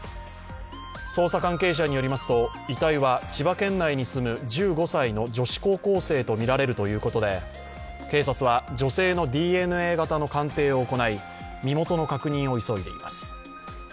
捜査関係者によりますと遺体は千葉県内に住む１５歳の女子高校生とみられるということで警察は女性のＤＮＡ型の鑑定を行い身元の確認を急いでいます。